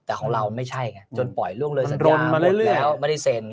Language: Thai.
แต่ของเราไม่ใช่ไงจนปล่อยล่วงเลยสัญญาหมดแล้วไม่ได้เสร็จ